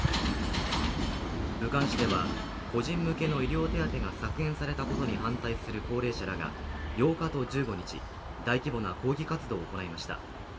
武漢市では個人向けの医療手当が削減されたことに反対する高齢者らが８日と１５日、大規模な抗議活動を行いました。